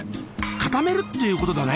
固めるっていうことだね？